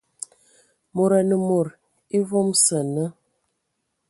Mod anə mod evam sə ane..